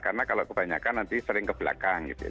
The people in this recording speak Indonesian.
karena kalau kebanyakan nanti sering ke belakang gitu ya